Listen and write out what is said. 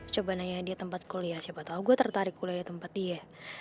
coba nanya dia tempat kuliah siapa tau gue tertarik kuliah tempat dia